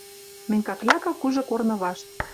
Мӹнь какляка кужы корны вашт.